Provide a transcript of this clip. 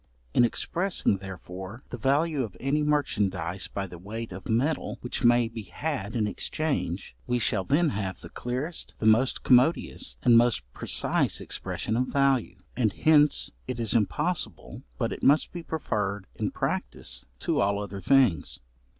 In expressing, therefore, the value of any merchandize by the weight of metal which may be had in exchange, we shall then have the clearest, the most commodious, and most precise expression of value; and hence it is impossible but it must be preferred in practice to all other things.